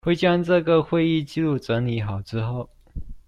會將這個會議紀錄整理好之後